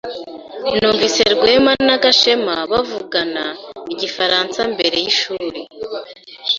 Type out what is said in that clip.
Numvise Rwema na Gashema bavugana igifaransa mbere yishuri.